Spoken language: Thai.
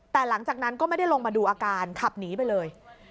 แต่หลังจากนั้นก็ไม่ได้ลงมาดูอาการขับหนีไปเลย